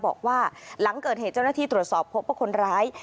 บอกว่าหลังเกิดเหตุเจ้าหน้าที่ตรวจสอบพบว่าคนร้าย